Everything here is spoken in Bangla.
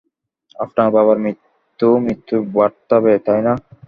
আপনার বাবার মৃত্যু মৃত্যু বাথটাবে, তাই না?